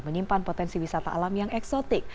menyimpan potensi wisata alam yang eksotik